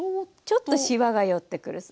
ちょっとしわが寄ってくる。